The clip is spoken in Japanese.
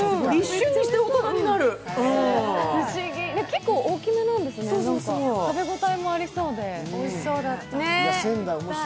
結構大きめなんですね、食べ応えもありそうで。